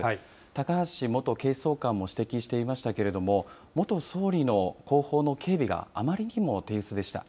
高橋元警視総監も指摘していましたけれども、元総理の後方の警備があまりにも手薄でした。